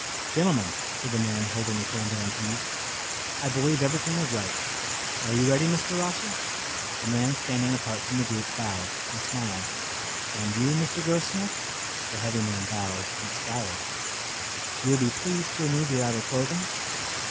"Gentlemen," said the man holding the candle and keys, "I believe everything is right. Are you ready, Mr. Rosser?" The man standing apart from the group bowed and smiled. "And you, Mr. Grossmith?" The heavy man bowed and scowled. "You will be pleased to remove your outer clothing."